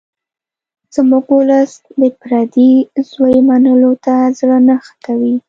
زموږ ولس د پردي زوی منلو ته زړه نه ښه کوي